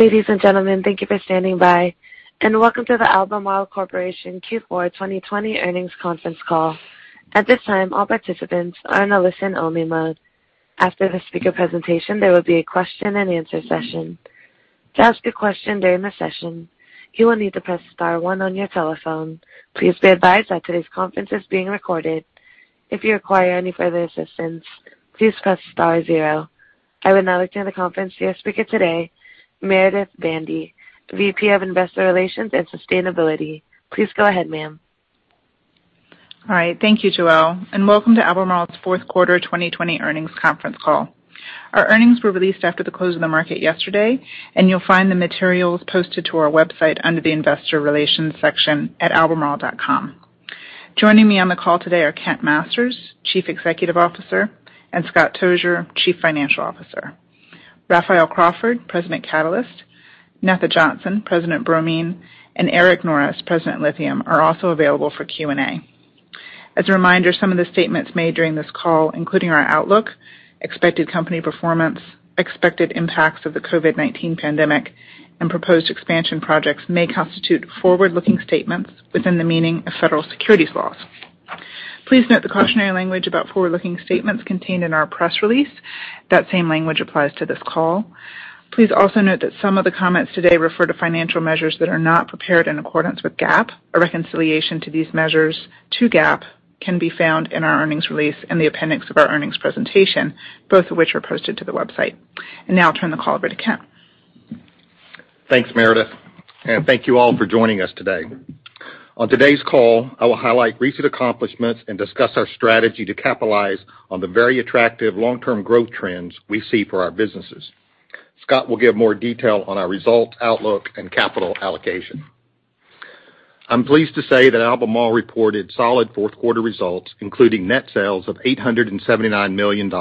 Ladies and gentlemen, thank you for standing by and welcome to the Albemarle Corporation Q4 2020 earnings conference call. I would now like to hand the conference to our speaker today, Meredith Bandy, VP of Investor Relations and Sustainability. Please go ahead, ma'am. All right. Thank you, Joelle, welcome to Albemarle's Q4 2020 earnings conference call. Our earnings were released after the close of the market yesterday, you'll find the materials posted to our website under the investor relations section at albemarle.com. Joining me on the call today are Kent Masters, Chief Executive Officer, and Scott Tozier, Chief Financial Officer. Raphael Crawford, President Catalyst, Netha Johnson, President Bromine, and Eric Norris, President Lithium, are also available for Q&A. As a reminder, some of the statements made during this call, including our outlook, expected company performance, expected impacts of the COVID-19 pandemic, and proposed expansion projects, may constitute forward-looking statements within the meaning of federal securities laws. Please note the cautionary language about forward-looking statements contained in our press release. That same language applies to this call. Please also note that some of the comments today refer to financial measures that are not prepared in accordance with GAAP. A reconciliation to these measures to GAAP can be found in our earnings release and the appendix of our earnings presentation, both of which are posted to the website. Now I'll turn the call over to Kent. Thanks, Meredith. Thank you all for joining us today. On today's call, I will highlight recent accomplishments and discuss our strategy to capitalize on the very attractive long-term growth trends we see for our businesses. Scott will give more detail on our results, outlook, and capital allocation. I'm pleased to say that Albemarle reported solid Q4 results, including net sales of $879 million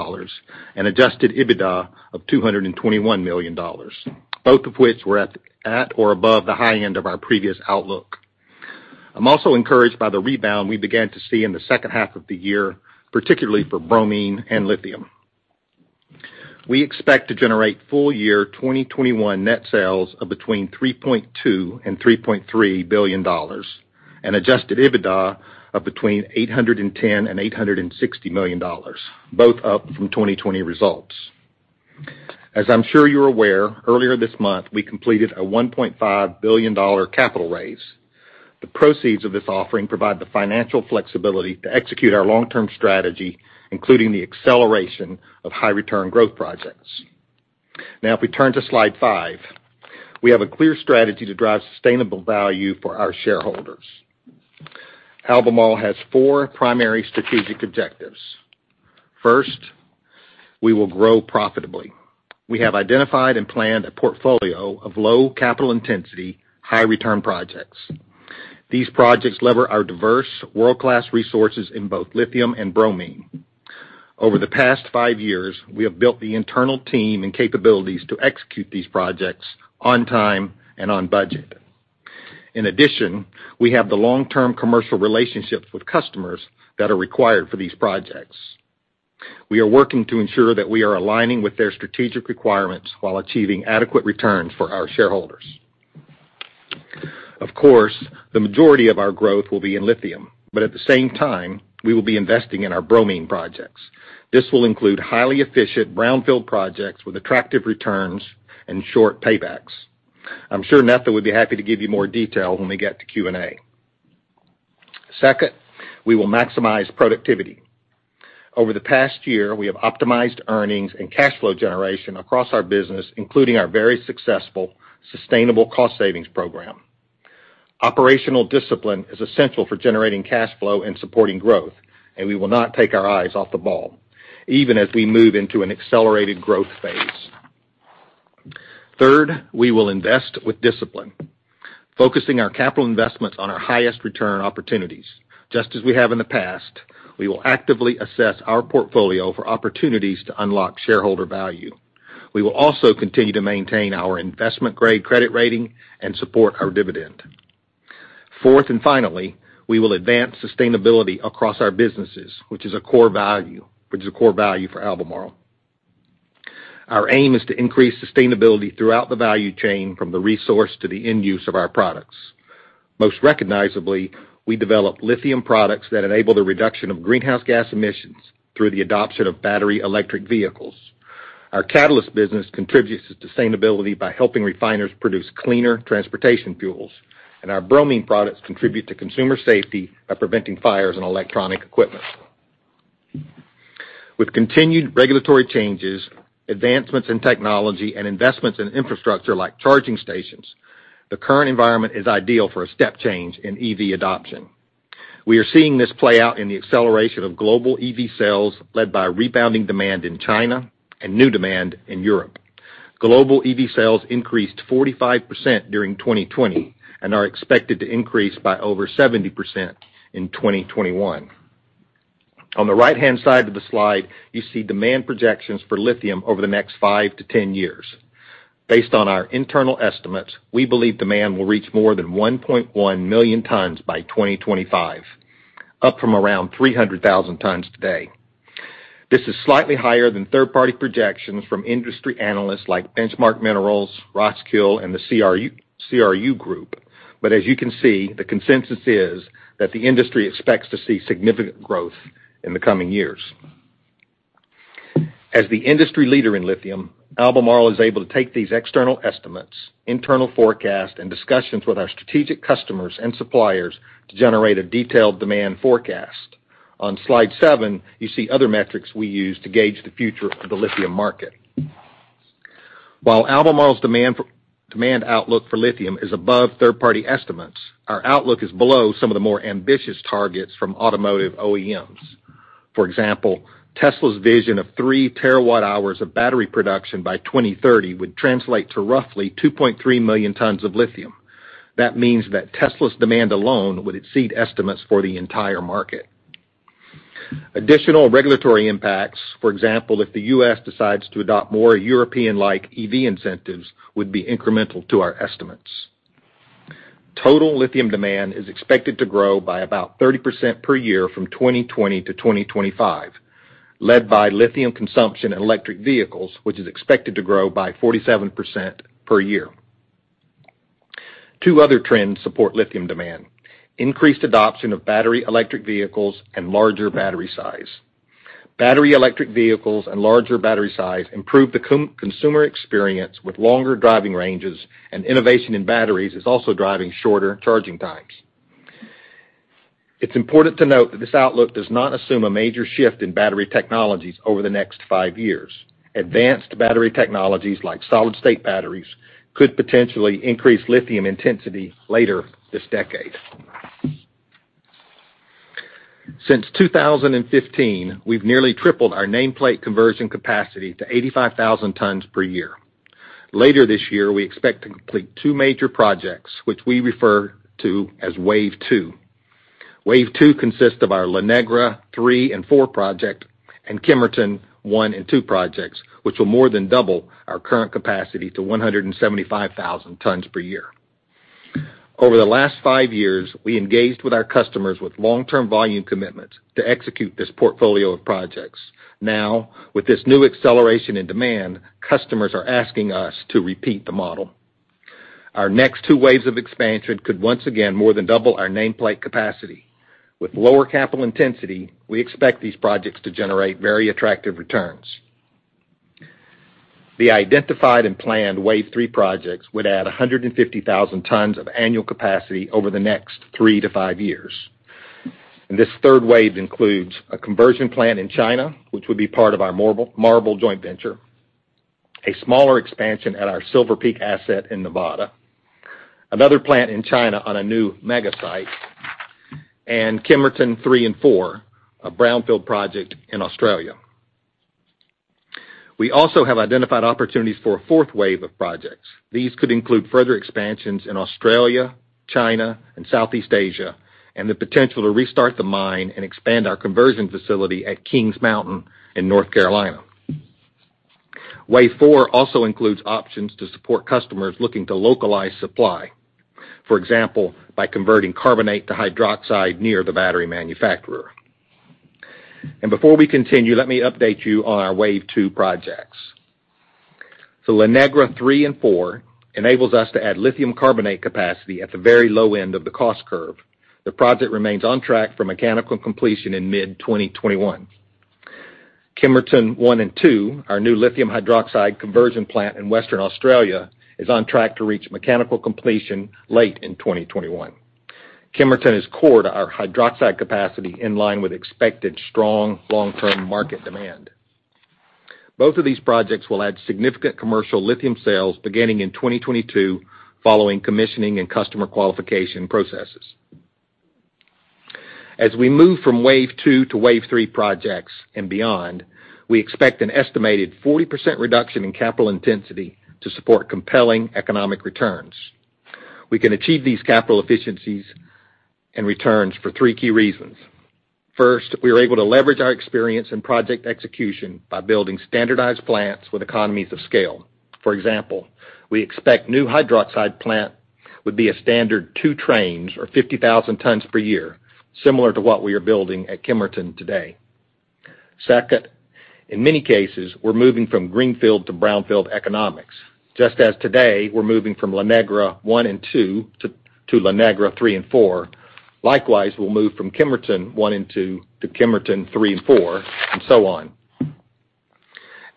and adjusted EBITDA of $221 million, both of which were at or above the high end of our previous outlook. I'm also encouraged by the rebound we began to see in the second half of the, particularly for bromine and lithium. We expect to generate full year 2021 net sales of between $3.2 billion and $3.3 billion, and adjusted EBITDA of between $810 million and $860 million, both up from 2020 results. As I'm sure you're aware, earlier this month, we completed a $1.5 billion capital raise. The proceeds of this offering provide the financial flexibility to execute our long-term strategy, including the acceleration of high-return growth projects. Now, if we turn to slide five, we have a clear strategy to drive sustainable value for our shareholders. Albemarle has four primary strategic objectives. First, we will grow profitably. We have identified and planned a portfolio of low capital intensity, high return projects. These projects lever our diverse world-class resources in both lithium and bromine. Over the past five years, we have built the internal team and capabilities to execute these projects on time and on budget. In addition, we have the long-term commercial relationships with customers that are required for these projects. We are working to ensure that we are aligning with their strategic requirements while achieving adequate returns for our shareholders. Of course, the majority of our growth will be in lithium, but at the same time, we will be investing in our bromine projects. This will include highly efficient brownfield projects with attractive returns and short paybacks. I'm sure Netha would be happy to give you more detail when we get to Q&A. Second, we will maximize productivity. Over the past year, we have optimized earnings and cash flow generation across our business, including our very successful sustainable cost savings program. Operational discipline is essential for generating cash flow and supporting growth, and we will not take our eyes off the ball, even as we move into an accelerated growth phase. Third, we will invest with discipline, focusing our capital investments on our highest return opportunities. Just as we have in the past, we will actively assess our portfolio for opportunities to unlock shareholder value. We will also continue to maintain our investment-grade credit rating and support our dividend. Fourth and finally, we will advance sustainability across our businesses, which is a core value for Albemarle. Our aim is to increase sustainability throughout the value chain, from the resource to the end use of our products. Most recognizably, we develop lithium products that enable the reduction of greenhouse gas emissions through the adoption of battery electric vehicles. Our catalyst business contributes to sustainability by helping refiners produce cleaner transportation fuels, and our bromine products contribute to consumer safety by preventing fires in electronic equipment. With continued regulatory changes, advancements in technology, and investments in infrastructure like charging stations, the current environment is ideal for a step change in EV adoption. We are seeing this play out in the acceleration of global EV sales led by rebounding demand in China and new demand in Europe. Global EV sales increased 45% during 2020 and are expected to increase by over 70% in 2021. On the right-hand side of the slide, you see demand projections for lithium over the next five to 10 years. Based on our internal estimates, we believe demand will reach more than 1.1 million tons by 2025, up from around 300,000 tons today. This is slightly higher than third-party projections from industry analysts like Benchmark Minerals, Roskill, and the CRU Group. As you can see, the consensus is that the industry expects to see significant growth in the coming years. As the industry leader in lithium, Albemarle is able to take these external estimates, internal forecasts, and discussions with our strategic customers and suppliers to generate a detailed demand forecast. On slide seven, you see other metrics we use to gauge the future of the lithium market. While Albemarle's demand outlook for lithium is above third-party estimates, our outlook is below some of the more ambitious targets from automotive OEMs. For example, Tesla's vision of 3 terawatt-hours of battery production by 2030 would translate to roughly 2.3 million tons of lithium. That means that Tesla's demand alone would exceed estimates for the entire market. Additional regulatory impacts, for example, if the U.S. decides to adopt more European-like EV incentives, would be incremental to our estimates. Total lithium demand is expected to grow by about 30% per year from 2020 to 2025, led by lithium consumption in electric vehicles, which is expected to grow by 47% per year. Two other trends support lithium demand: increased adoption of battery electric vehicles and larger battery size. Battery electric vehicles and larger battery size improve the consumer experience with longer driving ranges, and innovation in batteries is also driving shorter charging times. It's important to note that this outlook does not assume a major shift in battery technologies over the next five years. Advanced battery technologies like solid-state batteries could potentially increase lithium intensity later this decade. Since 2015, we've nearly tripled our nameplate conversion capacity to 85,000 tons per year. Later this year, we expect to complete two major projects, which we refer to as Wave 2. Wave 2 consists of our La Negra 3 and 4 project and Kemerton 1 and 2 projects, which will more than double our current capacity to 175,000 tons per year. Over the last five years, we engaged with our customers with long-term volume commitments to execute this portfolio of projects. Now, with this new acceleration in demand, customers are asking us to repeat the model. Our next two waves of expansion could once again more than double our nameplate capacity. With lower capital intensity, we expect these projects to generate very attractive returns. The identified and planned Wave 3 projects would add 150,000 tons of annual capacity over the next three to five years. This third wave includes a conversion plant in China, which would be part of our MARBL joint venture, a smaller expansion at our Silver Peak asset in Nevada, another plant in China on a new mega site, and Kemerton 3 and 4, a brownfield project in Australia. We also have identified opportunities for a fourth wave of projects. These could include further expansions in Australia, China, and Southeast Asia, and the potential to restart the mine and expand our conversion facility at Kings Mountain in North Carolina. Wave 4 also includes options to support customers looking to localize supply. For example, by converting carbonate to hydroxide near the battery manufacturer. Before we continue, let me update you on our Wave 2 projects. The La Negra 3 and 4 enables us to add lithium carbonate capacity at the very low end of the cost curve. The project remains on track for mechanical completion in mid-2021. Kemerton 1 and 2, our new lithium hydroxide conversion plant in Western Australia, is on track to reach mechanical completion late in 2021. Kemerton is core to our hydroxide capacity in line with expected strong long-term market demand. Both of these projects will add significant commercial lithium sales beginning in 2022 following commissioning and customer qualification processes. As we move from Wave 2 to Wave 3 projects and beyond, we expect an estimated 40% reduction in capital intensity to support compelling economic returns. We can achieve these capital efficiencies and returns for three key reasons. First, we are able to leverage our experience in project execution by building standardized plants with economies of scale. For example, we expect new hydroxide plant would be a standard 2 trains or 50,000 tons per year, similar to what we are building at Kemerton today. Second, in many cases, we're moving from greenfield to brownfield economics. Just as today, we're moving from La Negra 1 and 2 to La Negra 3 and 4, likewise, we'll move from Kemerton 1 and 2 to Kemerton 3 and 4, and so on.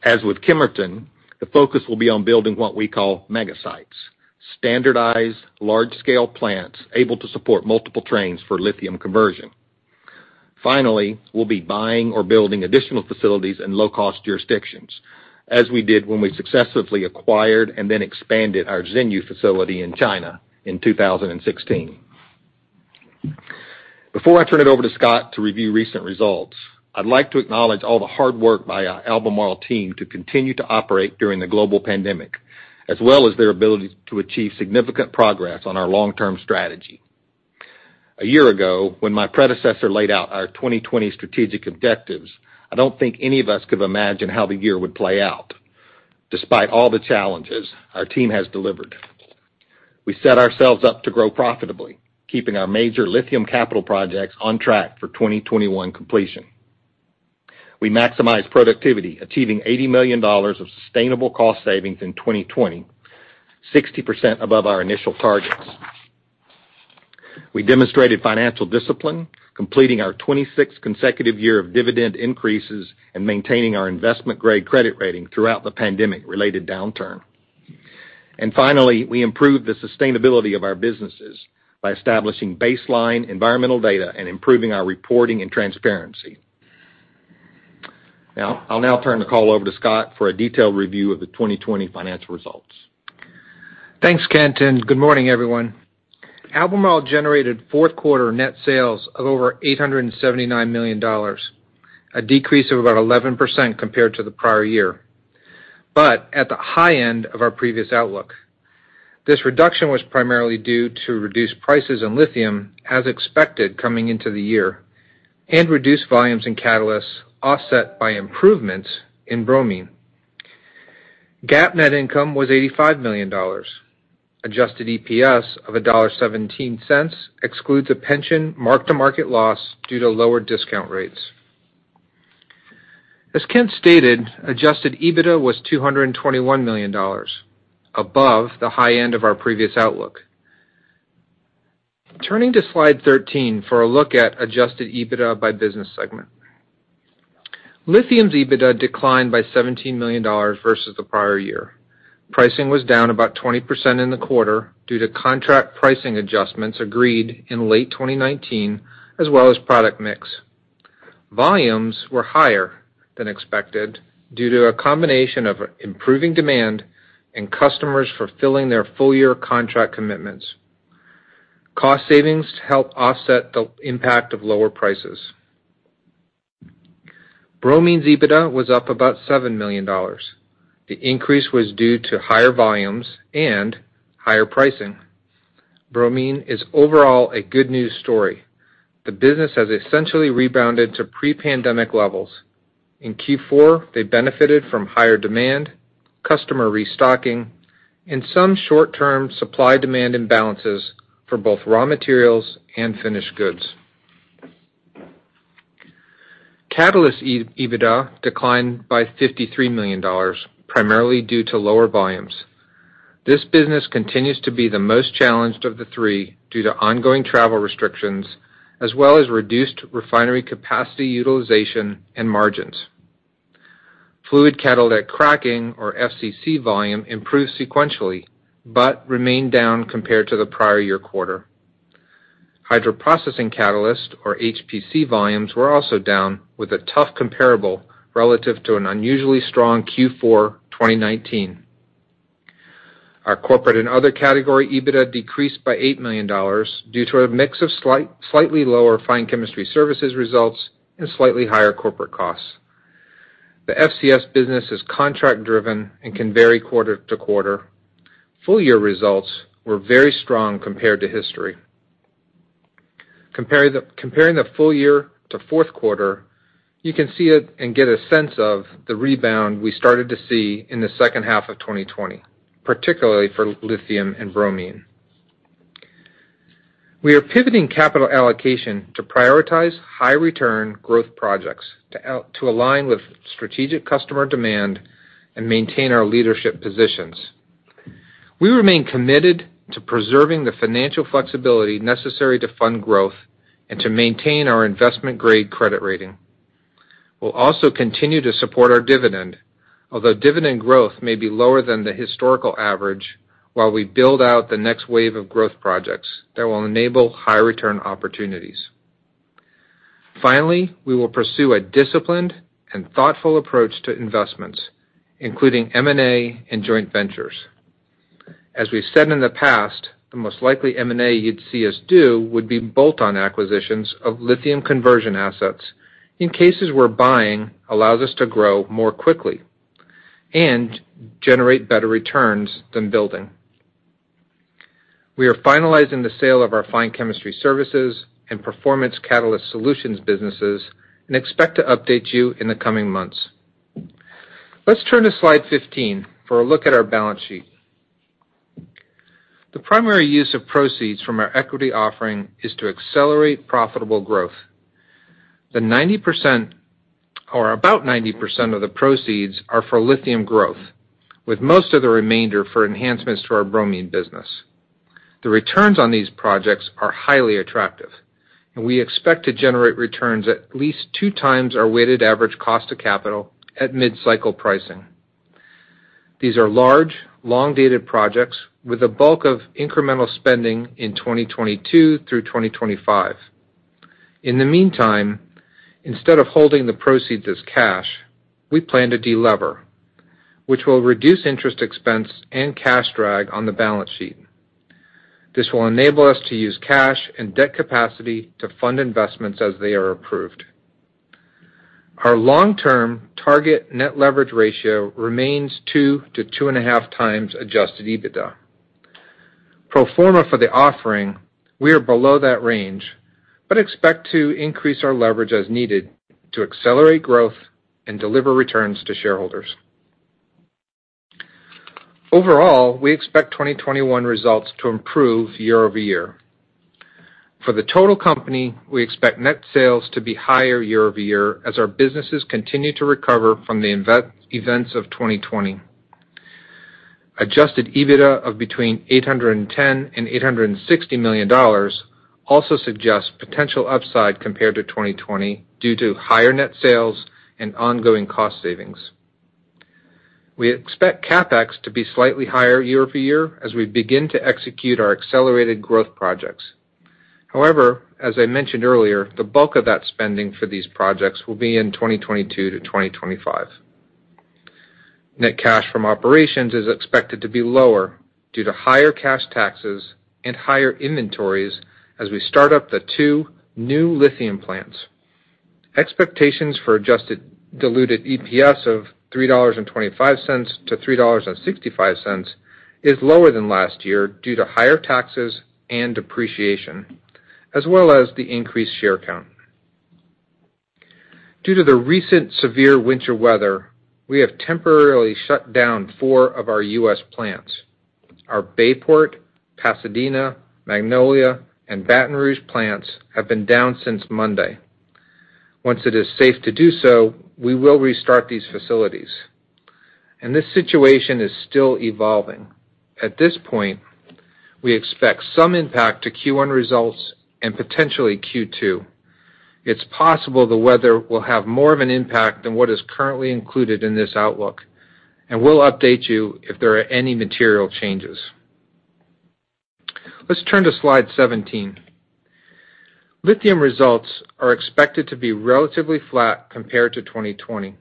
As with Kemerton, the focus will be on building what we call mega sites. Standardized, large-scale plants able to support multiple trains for lithium conversion. Finally, we'll be buying or building additional facilities in low-cost jurisdictions, as we did when we successively acquired and then expanded our Xinyu facility in China in 2016. Before I turn it over to Scott to review recent results, I'd like to acknowledge all the hard work by our Albemarle team to continue to operate during the global pandemic, as well as their ability to achieve significant progress on our long-term strategy. A year ago, when my predecessor laid out our 2020 strategic objectives, I don't think any of us could've imagined how the year would play out. Despite all the challenges, our team has delivered. We set ourselves up to grow profitably, keeping our major lithium capital projects on track for 2021 completion. We maximize productivity, achieving $80 million of sustainable cost savings in 2020, 60% above our initial targets. We demonstrated financial discipline, completing our 26th consecutive year of dividend increases and maintaining our investment-grade credit rating throughout the pandemic-related downturn. Finally, we improved the sustainability of our businesses by establishing baseline environmental data and improving our reporting and transparency. I'll now turn the call over to Scott for a detailed review of the 2020 financial results. Thanks, Kent, and good morning, everyone. Albemarle generated Q4 net sales of over $879 million, a decrease of about 11% compared to the prior year, but at the high end of our previous outlook. This reduction was primarily due to reduced prices in Lithium as expected coming into the year, and reduced volumes in Catalysts offset by improvements in Bromine. GAAP net income was $85 million. Adjusted EPS of $1.17 excludes a pension mark-to-market loss due to lower discount rates. As Kent stated, adjusted EBITDA was $221 million, above the high end of our previous outlook. Turning to Slide 13 for a look at adjusted EBITDA by business segment. Lithium's EBITDA declined by $17 million versus the prior year. Pricing was down about 20% in the quarter due to contract pricing adjustments agreed in late 2019, as well as product mix. Volumes were higher than expected due to a combination of improving demand and customers fulfilling their full-year contract commitments. Cost savings helped offset the impact of lower prices. Bromine's EBITDA was up about $7 million. The increase was due to higher volumes and higher pricing. Bromine is overall a good news story. The business has essentially rebounded to pre-pandemic levels. In Q4, they benefited from higher demand, customer restocking, and some short-term supply-demand imbalances for both raw materials and finished goods. Catalysts EBITDA declined by $53 million, primarily due to lower volumes. This business continues to be the most challenged of the three due to ongoing travel restrictions, as well as reduced refinery capacity utilization and margins. Fluid catalytic cracking, or FCC volume, improved sequentially, but remained down compared to the prior year quarter. Hydroprocessing catalyst, or HPC volumes, were also down with a tough comparable relative to an unusually strong Q4 2019. Our corporate and other category EBITDA decreased by $8 million due to a mix of slightly lower Fine Chemistry Services results and slightly higher corporate costs. The FCS business is contract-driven and can vary quarter-to-quarter. Full-year results were very strong compared to history. Comparing the full year to Q4, you can see it and get a sense of the rebound we started to see in the second half of 2020, particularly for lithium and bromine. We are pivoting capital allocation to prioritize high-return growth projects to align with strategic customer demand and maintain our leadership positions. We remain committed to preserving the financial flexibility necessary to fund growth and to maintain our investment-grade credit rating. We'll also continue to support our dividend, although dividend growth may be lower than the historical average while we build out the next wave of growth projects that will enable high-return opportunities. Finally, we will pursue a disciplined and thoughtful approach to investments, including M&A and joint ventures. As we've said in the past, the most likely M&A you'd see us do would be bolt-on acquisitions of lithium conversion assets in cases where buying allows us to grow more quickly and generate better returns than building. We are finalizing the sale of our Fine Chemistry Services and Performance Catalyst Solutions businesses and expect to update you in the coming months. Let's turn to Slide 15 for a look at our balance sheet. The primary use of proceeds from our equity offering is to accelerate profitable growth. The 90% or about 90% of the proceeds are for lithium growth, with most of the remainder for enhancements to our bromine business. The returns on these projects are highly attractive, and we expect to generate returns at least two times our weighted average cost of capital at mid-cycle pricing. These are large, long-dated projects with a bulk of incremental spending in 2022 through 2025. In the meantime, instead of holding the proceeds as cash, we plan to de-lever, which will reduce interest expense and cash drag on the balance sheet. This will enable us to use cash and debt capacity to fund investments as they are approved. Our long-term target net leverage ratio remains two to two and a half times adjusted EBITDA. Pro forma for the offering, we are below that range. Expect to increase our leverage as needed to accelerate growth and deliver returns to shareholders. Overall, we expect 2021 results to improve year-over-year. For the total company, we expect net sales to be higher year-over-year as our businesses continue to recover from the events of 2020. Adjusted EBITDA of between $810 and $860 million also suggests potential upside compared to 2020 due to higher net sales and ongoing cost savings. We expect CapEx to be slightly higher year-over-year as we begin to execute our accelerated growth projects. As I mentioned earlier, the bulk of that spending for these projects will be in 2022 to 2025. Net cash from operations is expected to be lower due to higher cash taxes and higher inventories as we start up the two new lithium plants. Expectations for adjusted diluted EPS of $3.25 to $3.65 is lower than last year due to higher taxes and depreciation, as well as the increased share count. Due to the recent severe winter weather, we have temporarily shut down four of our U.S. plants. Our Bayport, Pasadena, Magnolia, and Baton Rouge plants have been down since Monday. Once it is safe to do so, we will restart these facilities. This situation is still evolving. At this point, we expect some impact to Q1 results and potentially Q2. It's possible the weather will have more of an impact than what is currently included in this outlook, and we'll update you if there are any material changes. Let's turn to slide 17. Lithium results are expected to be relatively flat compared to 2020.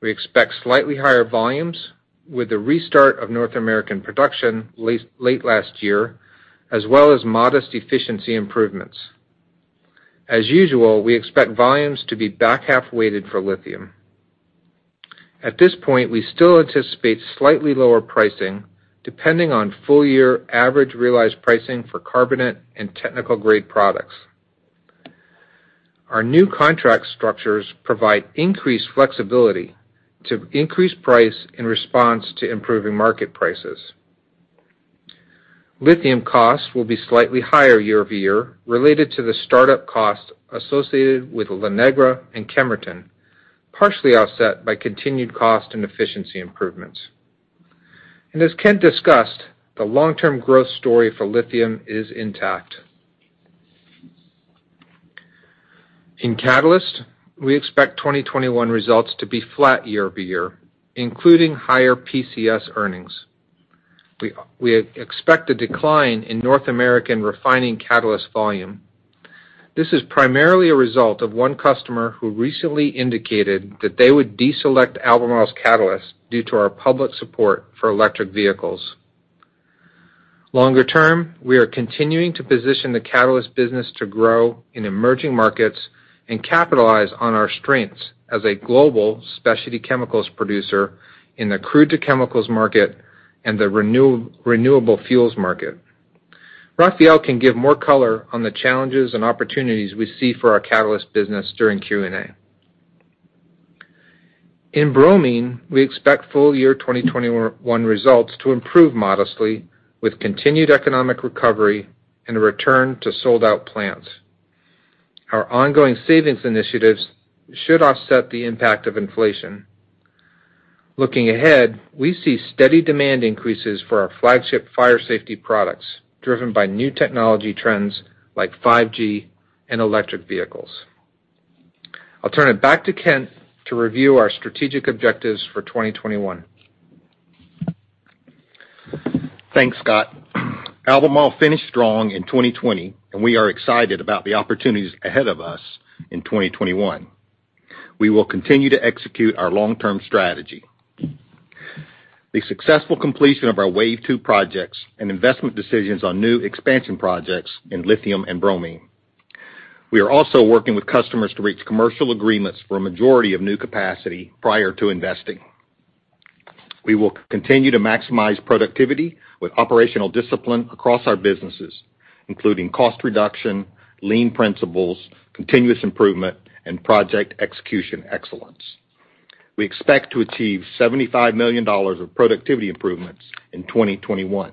We expect slightly higher volumes with the restart of North American production late last year, as well as modest efficiency improvements. As usual, we expect volumes to be back-half weighted for lithium. At this point, we still anticipate slightly lower pricing, depending on full-year average realized pricing for carbonate and technical-grade products. Our new contract structures provide increased flexibility to increase price in response to improving market prices. Lithium costs will be slightly higher year-over-year, related to the start-up costs associated with La Negra and Kemerton, partially offset by continued cost and efficiency improvements. As Kent discussed, the long-term growth story for lithium is intact. In catalyst, we expect 2021 results to be flat year-over-year, including higher PCS earnings. We expect a decline in North American refining catalyst volume. This is primarily a result of one customer who recently indicated that they would deselect Albemarle's catalyst due to our public support for electric vehicles. Longer term, we are continuing to position the catalyst business to grow in emerging markets and capitalize on our strengths as a global specialty chemicals producer in the crude to chemicals market and the renewable fuels market. Raphael can give more color on the challenges and opportunities we see for our catalyst business during Q&A. In bromine, we expect full-year 2021 results to improve modestly with continued economic recovery and a return to sold-out plants. Our ongoing savings initiatives should offset the impact of inflation. Looking ahead, we see steady demand increases for our flagship fire safety products, driven by new technology trends like 5G and electric vehicles. I'll turn it back to Kent to review our strategic objectives for 2021. Thanks, Scott. Albemarle finished strong in 2020, and we are excited about the opportunities ahead of us in 2021. We will continue to execute our long-term strategy. The successful completion of our wave two projects and investment decisions on new expansion projects in lithium and bromine. We are also working with customers to reach commercial agreements for a majority of new capacity prior to investing. We will continue to maximize productivity with operational discipline across our businesses, including cost reduction, lean principles, continuous improvement, and project execution excellence. We expect to achieve $75 million of productivity improvements in 2021.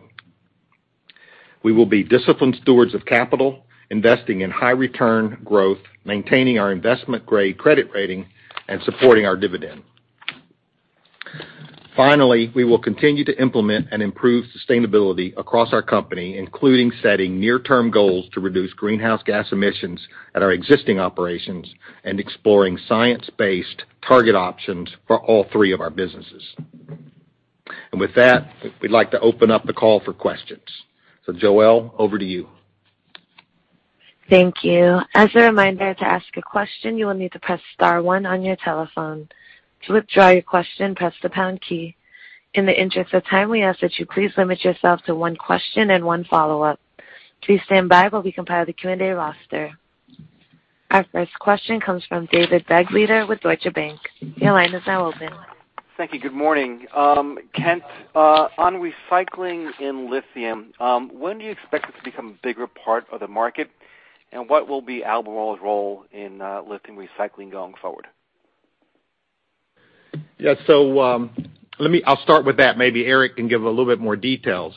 We will be disciplined stewards of capital, investing in high return growth, maintaining our investment-grade credit rating, and supporting our dividend. Finally, we will continue to implement and improve sustainability across our company, including setting near-term goals to reduce greenhouse gas emissions at our existing operations and exploring science-based target options for all three of our businesses. With that, we'd like to open up the call for questions. Joelle, over to you. Thank you. As a reminder, to ask a question, you will need to press star one on your telephone. To withdraw your question, press the pound key. In the interest of time, we ask that you please limit yourself to one question and one follow-up. Please stand by while we compile the Q&A roster. Our first question comes from David Begleiter with Deutsche Bank. Your line is now open. Thank you. Good morning. Kent, on recycling in lithium, when do you expect this to become a bigger part of the market, and what will be Albemarle's role in lithium recycling going forward? Yeah. I'll start with that, maybe Eric can give a little bit more detail.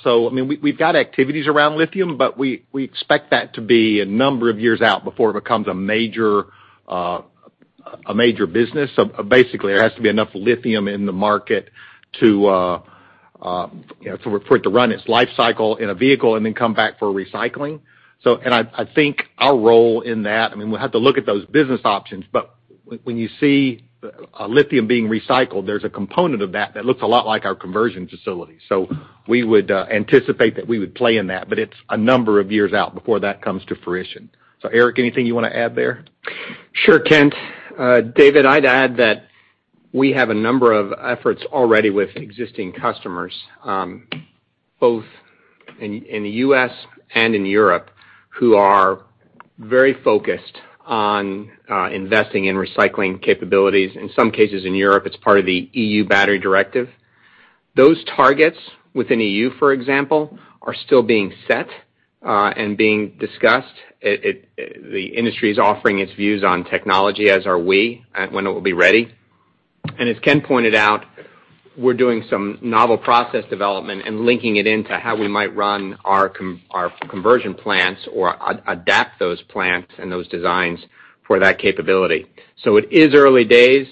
We've got activities around lithium, but we expect that to be a number of years out before it becomes a major business. Basically, there has to be enough lithium in the market for it to run its life cycle in a vehicle and then come back for recycling. I think our role in that, we'll have to look at those business options, but when you see lithium being recycled, there's a component of that that looks a lot like our conversion facility. We would anticipate that we would play in that, but it's a number of years out before that comes to fruition. Eric, anything you want to add there? Sure, Kent. David, I'd add that we have a number of efforts already with existing customers both in the U.S. and in Europe, who are very focused on investing in recycling capabilities. In some cases in Europe, it's part of the EU Battery Directive. Those targets within EU, for example, are still being set and being discussed. The industry is offering its views on technology, as are we, when it will be ready. As Kent pointed out, we're doing some novel process development and linking it into how we might run our conversion plants or adapt those plants and those designs for that capability. It is early days,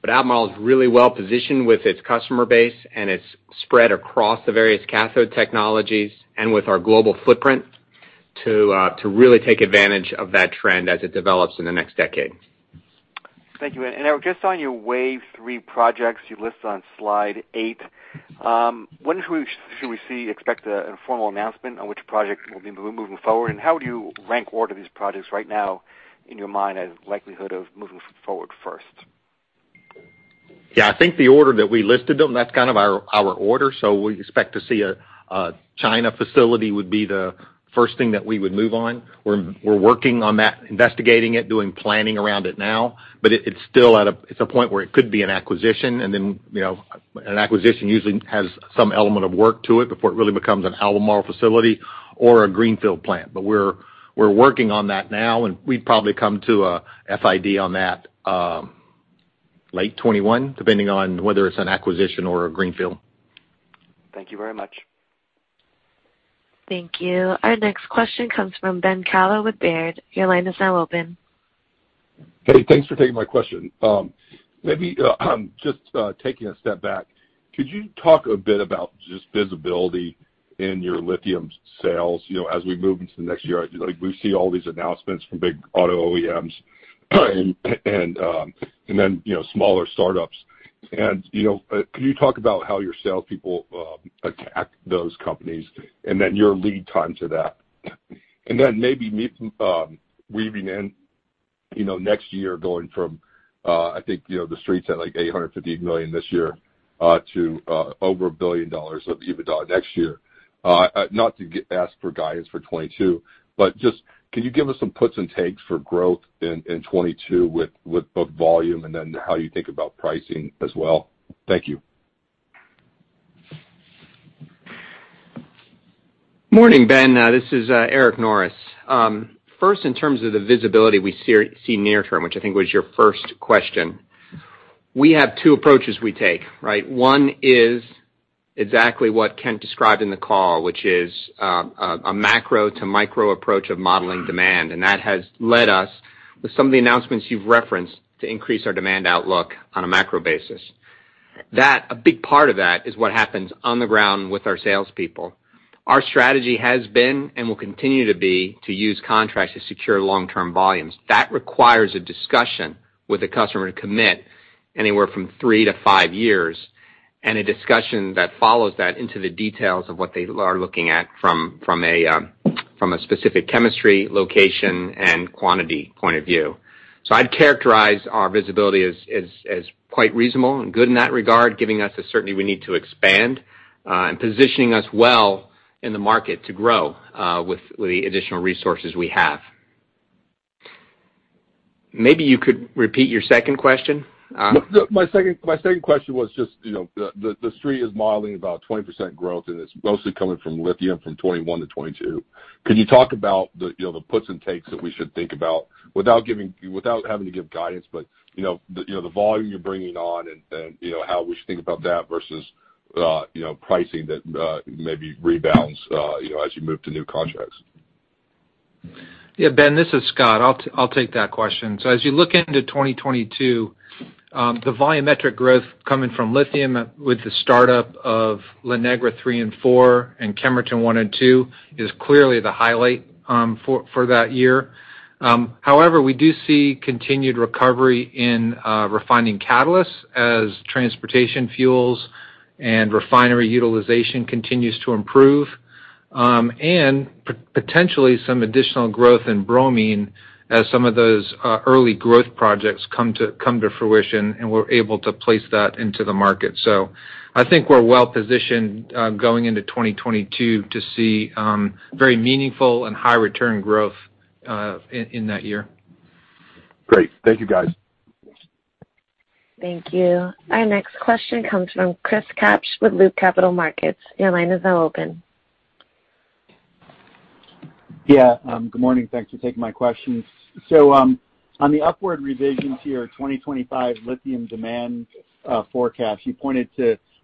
but Albemarle is really well-positioned with its customer base and its spread across the various cathode technologies and with our global footprint to really take advantage of that trend as it develops in the next decade. Thank you. Eric, just on your wave three projects you list on slide eight, when should we expect a formal announcement on which project will be moving forward, how would you rank order these projects right now in your mind as likelihood of moving forward first? Yeah, I think the order that we listed them, that's kind of our order. We expect to see a China facility would be the first thing that we would move on. We're working on that, investigating it, doing planning around it now, but it's at a point where it could be an acquisition, and then an acquisition usually has some element of work to it before it really becomes an Albemarle facility or a greenfield plant. We're working on that now, and we'd probably come to a FID on that late 2021, depending on whether it's an acquisition or a greenfield. Thank you very much. Thank you. Our next question comes from Benjamin Kallo with Baird. Your line is now open. Hey, thanks for taking my question. Maybe just taking a step back, could you talk a bit about just visibility in your lithium sales as we move into the next year? We see all these announcements from big auto OEMs and then smaller startups. Can you talk about how your salespeople attack those companies and then your lead time to that? Maybe weaving in next year going from, I think, the streets at like $850 million this year to over $1 billion of EBITDA next year. Not to ask for guidance for 2022, just can you give us some puts and takes for growth in 2022 with both volume and then how you think about pricing as well? Thank you. Morning, Ben. This is Eric Norris. First in terms of the visibility we see near term, which I think was your first question. We have two approaches we take, right? One is exactly what Kent described in the call, which is a macro to micro approach of modeling demand, and that has led us with some of the announcements you've referenced to increase our demand outlook on a macro basis. A big part of that is what happens on the ground with our salespeople. Our strategy has been and will continue to be to use contracts to secure long-term volumes. That requires a discussion with the customer to commit anywhere from three to five years, and a discussion that follows that into the details of what they are looking at from a specific chemistry, location, and quantity point of view. I'd characterize our visibility as quite reasonable and good in that regard, giving us the certainty we need to expand and positioning us well in the market to grow with the additional resources we have. Maybe you could repeat your second question. My second question was just the Street is modeling about 20% growth, and it's mostly coming from lithium from 2021 to 2022. Can you talk about the puts and takes that we should think about without having to give guidance, but the volume you're bringing on and how we should think about that versus pricing that maybe rebounds as you move to new contracts? Yeah, Ben, this is Scott. I'll take that question. As you look into 2022, the volumetric growth coming from lithium with the startup of La Negra 3 and 4 and Kemerton 1 and 2 is clearly the highlight for that year. However, we do see continued recovery in refining catalysts as transportation fuels and refinery utilization continues to improve. Potentially some additional growth in bromine as some of those early growth projects come to fruition and we're able to place that into the market. I think we're well-positioned going into 2022 to see very meaningful and high return growth in that year. Great. Thank you, guys. Thank you. Our next question comes from Christopher Kapsch with Loop Capital Markets. Your line is now open. Good morning. Thank you for taking my questions. On the upward revisions to your 2025 lithium demand forecast, you pointed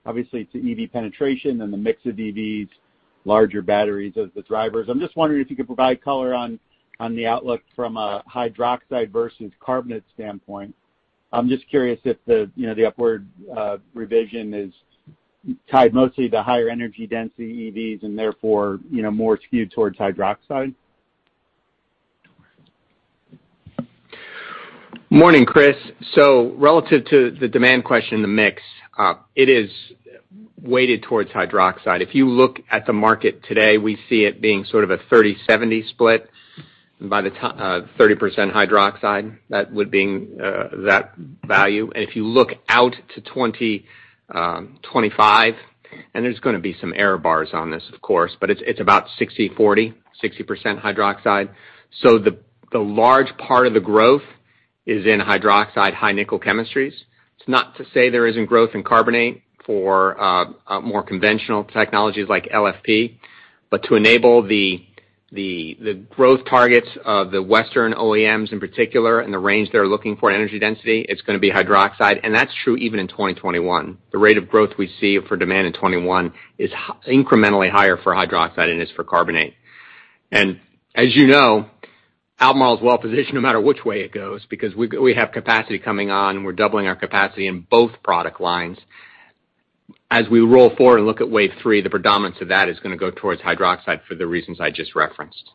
obviously to EV penetration and the mix of EVs, larger batteries as the drivers. I'm just wondering if you could provide color on the outlook from a hydroxide versus carbonate standpoint. I'm just curious if the upward revision is tied mostly to higher energy density EVs and therefore more skewed towards hydroxide. Morning, Chris. Relative to the demand question, the mix, it is weighted towards hydroxide. If you look at the market today, we see it being sort of a 30/70 split. By the 30% hydroxide, that would be that value. If you look out to 2025, and there's going to be some error bars on this, of course, but it's about 60/40, 60% hydroxide. The large part of the growth is in hydroxide, high nickel chemistries. It's not to say there isn't growth in carbonate for more conventional technologies like LFP. To enable the growth targets of the Western OEMs in particular, and the range they're looking for in energy density, it's going to be hydroxide. That's true even in 2021. The rate of growth we see for demand in 2021 is incrementally higher for hydroxide than it is for carbonate. As you know, Albemarle is well-positioned no matter which way it goes, because we have capacity coming on. We're doubling our capacity in both product lines. As we roll forward and look at wave three, the predominance of that is going to go towards hydroxide for the reasons I just referenced.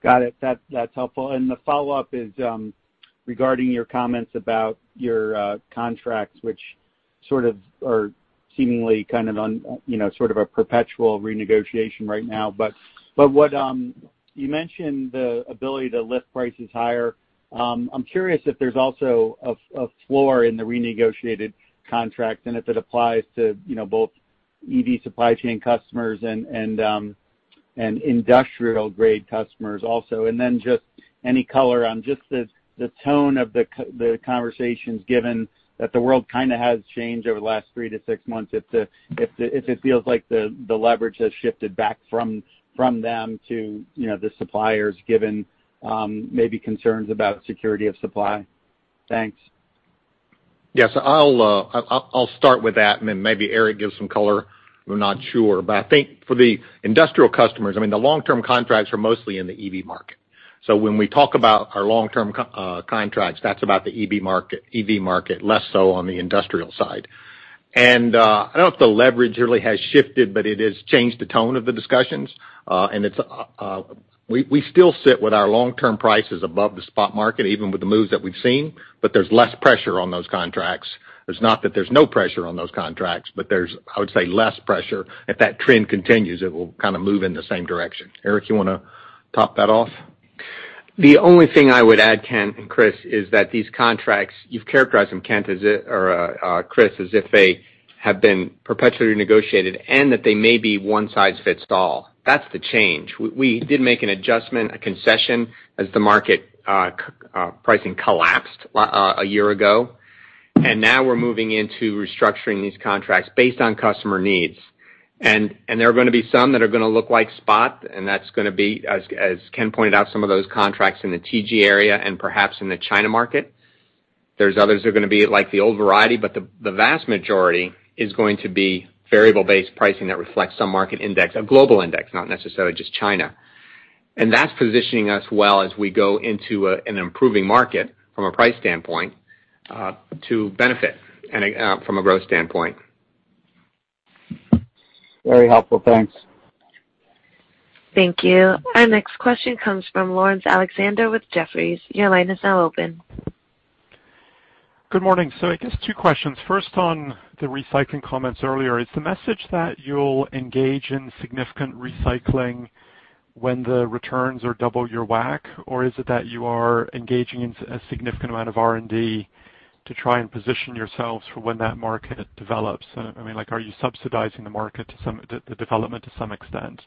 Got it. That's helpful. The follow-up is regarding your comments about your contracts, which sort of are seemingly on sort of a perpetual renegotiation right now. What you mentioned, the ability to lift prices higher, I'm curious if there's also a floor in the renegotiated contracts and if it applies to both EV supply chain customers and industrial-grade customers also. Then just any color on just the tone of the conversations given that the world kind of has changed over the last three to six months, if it feels like the leverage has shifted back from them to the suppliers given maybe concerns about security of supply. Thanks. Yes. I'll start with that, and then maybe Eric gives some color. I'm not sure. I think for the industrial customers, the long-term contracts are mostly in the EV market. When we talk about our long-term contracts, that's about the EV market, less so on the industrial side. I don't know if the leverage really has shifted, but it has changed the tone of the discussions. We still sit with our long-term prices above the spot market, even with the moves that we've seen, but there's less pressure on those contracts. It's not that there's no pressure on those contracts, but there's, I would say, less pressure. If that trend continues, it will kind of move in the same direction. Eric, you want to top that off? The only thing I would add, Kent and Chris, is that these contracts, you've characterized them, Chris, as if they have been perpetually negotiated and that they may be one size fits all. That's the change. We did make an adjustment, a concession, as the market pricing collapsed a year ago. Now we're moving into restructuring these contracts based on customer needs. There are going to be some that are going to look like spot, and that's going to be, as Kent pointed out, some of those contracts in the TG area and perhaps in the China market. There's others that are going to be like the old variety, but the vast majority is going to be variable-based pricing that reflects some market index, a global index, not necessarily just China. That's positioning us well as we go into an improving market from a price standpoint to benefit from a growth standpoint. Very helpful. Thanks. Thank you. Our next question comes from Laurence Alexander with Jefferies. Your line is now open. Good morning. I guess two questions. First, on the recycling comments earlier, is the message that you'll engage in significant recycling when the returns are double your WACC, or is it that you are engaging in a significant amount of R&D to try and position yourselves for when that market develops? Are you subsidizing the market, the development to some extent?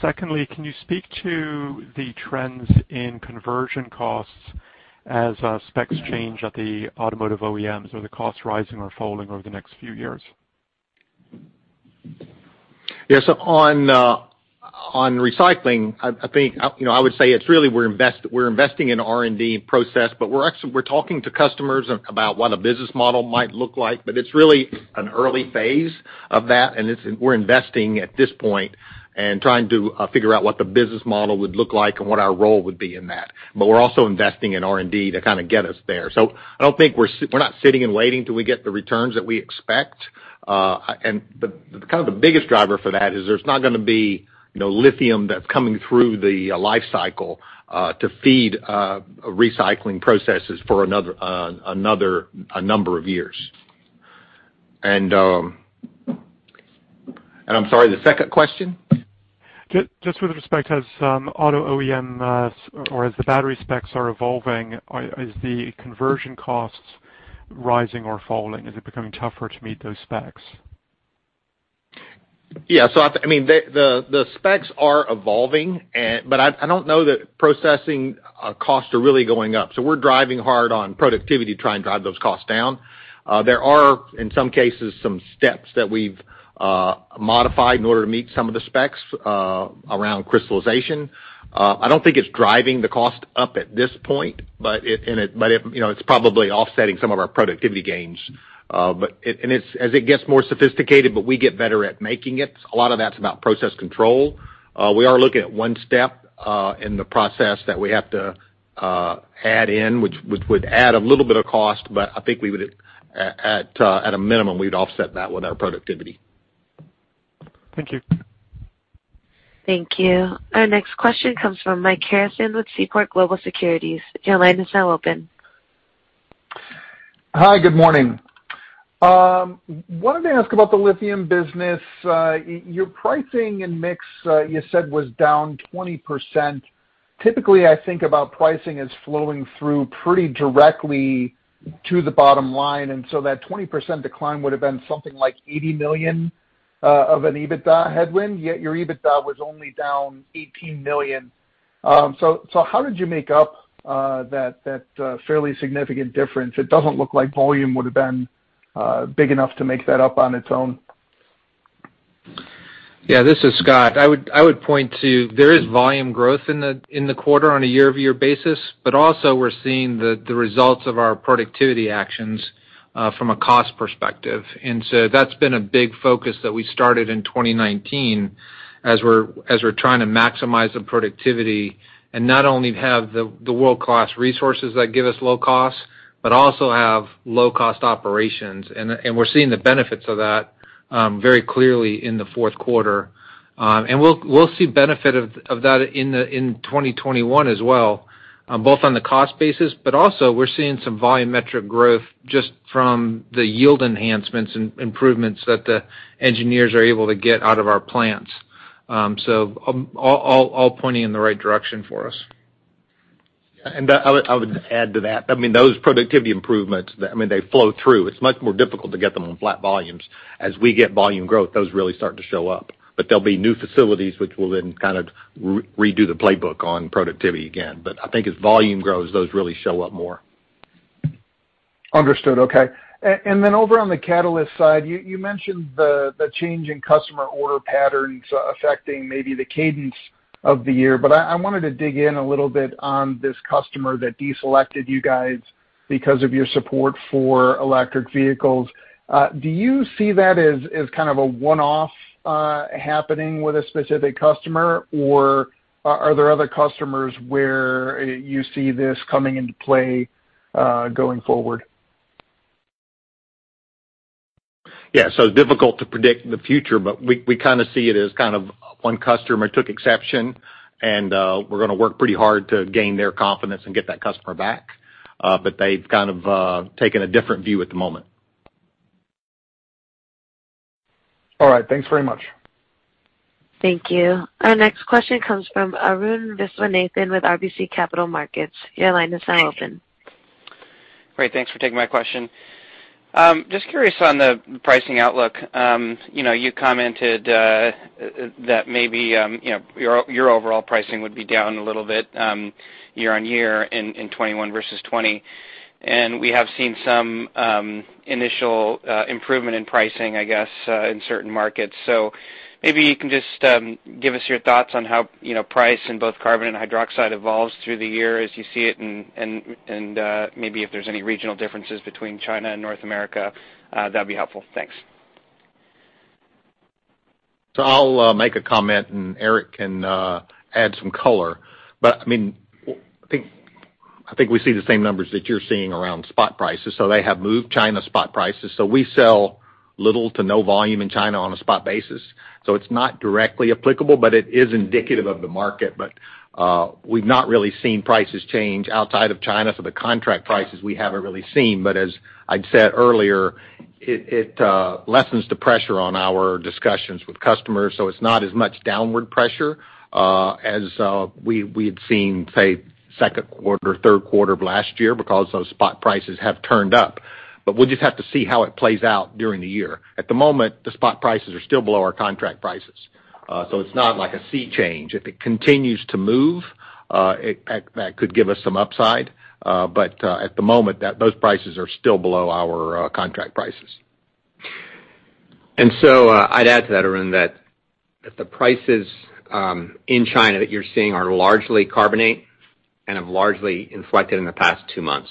Secondly, can you speak to the trends in conversion costs as specs change at the automotive OEMs? Are the costs rising or falling over the next few years? Yeah. On recycling, I would say it's really we're investing in R&D process, but we're talking to customers about what a business model might look like. It's really an early phase of that, and we're investing at this point and trying to figure out what the business model would look like and what our role would be in that. We're also investing in R&D to kind of get us there. We're not sitting and waiting till we get the returns that we expect. Kind of the biggest driver for that is there's not going to be lithium that's coming through the life cycle to feed recycling processes for a number of years. I'm sorry, the second question? Just with respect, as auto OEMs or as the battery specs are evolving, are the conversion costs rising or falling? Is it becoming tougher to meet those specs? Yeah. The specs are evolving, but I don't know that processing costs are really going up. We're driving hard on productivity to try and drive those costs down. There are, in some cases, some steps that we've modified in order to meet some of the specs around crystallization. I don't think it's driving the cost up at this point, but it's probably offsetting some of our productivity gains. As it gets more sophisticated, but we get better at making it, a lot of that's about process control. We are looking at one step in the process that we have to add in, which would add a little bit of cost, but I think at a minimum, we'd offset that with our productivity. Thank you. Thank you. Our next question comes from Michael Harrison with Seaport Global Securities. Your line is now open. Hi, good morning. Wanted to ask about the lithium business. Your pricing and mix, you said, was down 20%. Typically, I think about pricing as flowing through pretty directly to the bottom line, and so that 20% decline would've been something like $80 million of an EBITDA headwind, yet your EBITDA was only down $18 million. How did you make up that fairly significant difference? It doesn't look like volume would've been big enough to make that up on its own. Yeah. This is Scott. I would point to, there is volume growth in the quarter on a year-over-year basis, but also we're seeing the results of our productivity actions from a cost perspective. That's been a big focus that we started in 2019 as we're trying to maximize the productivity and not only have the world-class resources that give us low costs, but also have low-cost operations. We're seeing the benefits of that very clearly in the Q4. We'll see benefit of that in 2021 as well, both on the cost basis, but also we're seeing some volumetric growth just from the yield enhancements and improvements that the engineers are able to get out of our plants. All pointing in the right direction for us. I would add to that. Those productivity improvements, they flow through. It's much more difficult to get them on flat volumes. As we get volume growth, those really start to show up. There'll be new facilities which will then kind of redo the playbook on productivity again. I think as volume grows, those really show up more. Understood. Okay. Then over on the catalyst side, you mentioned the change in customer order patterns affecting maybe the cadence of the year. I wanted to dig in a little bit on this customer that deselected you guys because of your support for electric vehicles. Do you see that as kind of a one-off happening with a specific customer, or are there other customers where you see this coming into play going forward? Yeah. Difficult to predict the future, but we kind of see it as one customer took exception and we're going to work pretty hard to gain their confidence and get that customer back. They've kind of taken a different view at the moment. All right. Thanks very much. Thank you. Our next question comes from Arun Viswanathan with RBC Capital Markets. Your line is now open. Great. Thanks for taking my question. Curious on the pricing outlook. You commented that maybe your overall pricing would be down a little bit year-over-year in 2021 versus 2020, and we have seen some initial improvement in pricing, I guess, in certain markets. Maybe you can just give us your thoughts on how price in both carbonate and hydroxide evolves through the year as you see it and maybe if there's any regional differences between China and North America that'd be helpful. Thanks. I'll make a comment and Eric can add some color. I think we see the same numbers that you're seeing around spot prices. They have moved China spot prices. We sell little to no volume in China on a spot basis. It's not directly applicable, but it is indicative of the market. We've not really seen prices change outside of China. The contract prices we haven't really seen, but as I'd said earlier, it lessens the pressure on our discussions with customers. It's not as much downward pressure as we had seen, say, Q2, Q3 of last year because those spot prices have turned up. We'll just have to see how it plays out during the year. At the moment, the spot prices are still below our contract prices. It's not like a sea change. If it continues to move that could give us some upside. At the moment, those prices are still below our contract prices. I'd add to that, Arun, that the prices in China that you're seeing are largely carbonate and have largely inflected in the past two months.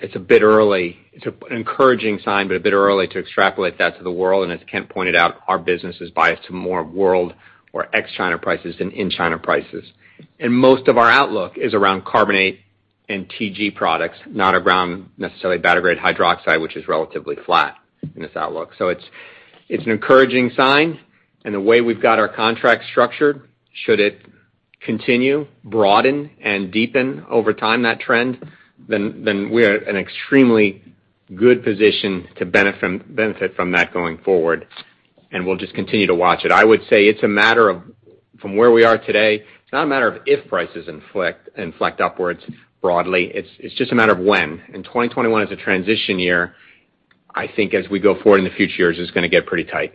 It's an encouraging sign, but a bit early to extrapolate that to the world. As Kent pointed out, our business is biased to more world or ex-China prices than in China prices. Most of our outlook is around carbonate and TG products, not around necessarily battery-grade hydroxide, which is relatively flat in this outlook. It's an encouraging sign, and the way we've got our contracts structured, should it continue, broaden, and deepen over time, that trend, then we're in an extremely good position to benefit from that going forward, and we'll just continue to watch it. I would say from where we are today, it's not a matter of if prices inflect upwards broadly, it's just a matter of when. 2021 is a transition year. I think as we go forward in the future years, it's going to get pretty tight.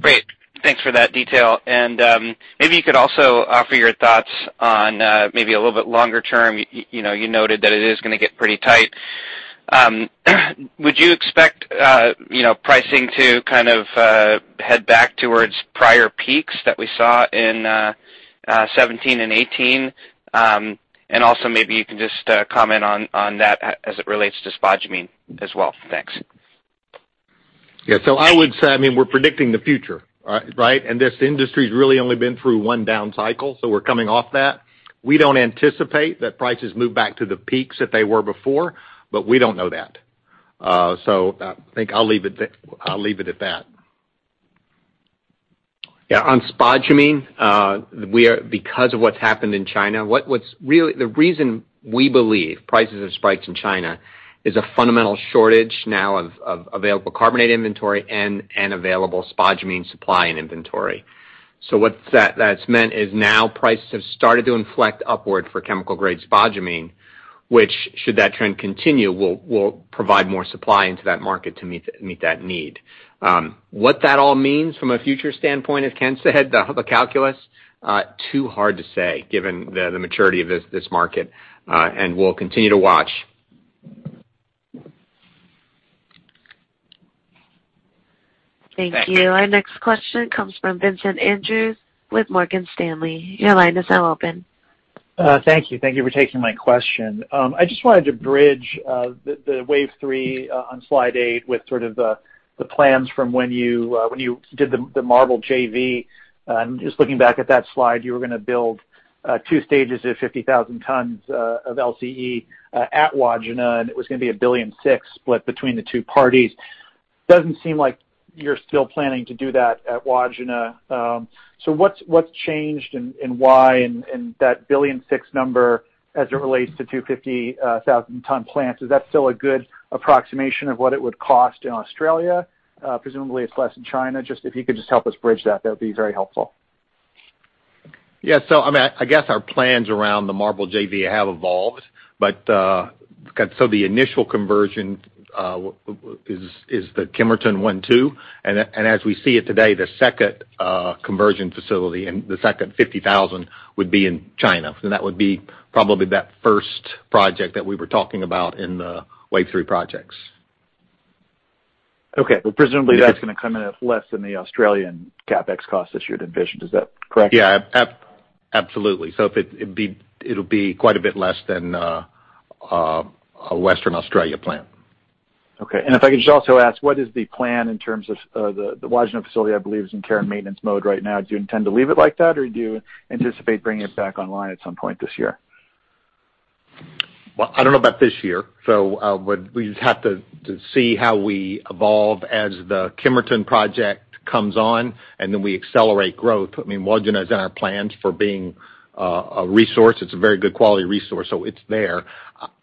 Great. Thanks for that detail. Maybe you could also offer your thoughts on maybe a little bit longer term. You noted that it is going to get pretty tight. Would you expect pricing to kind of head back towards prior peaks that we saw in 2017 and 2018? Also maybe you can just comment on that as it relates to spodumene as well. Thanks. Yeah. I would say, we're predicting the future, right? This industry's really only been through one down cycle, so we're coming off that. We don't anticipate that prices move back to the peaks that they were before, but we don't know that. I think I'll leave it at that. Yeah. On spodumene, because of what's happened in China, the reason we believe prices have spiked in China is a fundamental shortage now of available carbonate inventory and available spodumene supply and inventory. What that's meant is now prices have started to inflect upward for chemical grade spodumene, which should that trend continue, will provide more supply into that market to meet that need. What that all means from a future standpoint, as Kent said, the calculus, too hard to say given the maturity of this market, and we'll continue to watch. Thanks. Thank you. Our next question comes from Vincent Andrews with Morgan Stanley. Your line is now open. Thank you. Thank you for taking my question. I just wanted to bridge the wave 3 on slide eight with sort of the plans from when you did the MARBL JV. Just looking back at that slide, you were going to build 2 stages of 50,000 tons of LCE at Wodgina, and it was going to be $1.6 billion split between the two parties. Doesn't seem like you're still planning to do that at Wodgina. What's changed and why? That $1.6 billion number as it relates to two 50,000 ton plants, is that still a good approximation of what it would cost in Australia? Presumably it's less in China. Just if you could just help us bridge that'd be very helpful. Yeah. I guess our plans around the MARBL JV have evolved, so the initial conversion is the Kemerton 1 and 2. As we see it today, the second conversion facility and the second 50,000 would be in China. That would be probably that first project that we were talking about in the wave 3 projects. Okay. Well, presumably that's going to come in at less than the Australian CapEx cost that you had envisioned. Is that correct? Yeah. Absolutely. It'll be quite a bit less than a Western Australia plant. Okay. If I could also ask, what is the plan in terms of the Wodgina facility, I believe is in care and maintenance mode right now. Do you intend to leave it like that, or do you anticipate bringing it back online at some point this year? Well, I don't know about this year. We just have to see how we evolve as the Kemerton project comes on. We accelerate growth. Wodgina is in our plans for being a resource. It's a very good quality resource. It's there.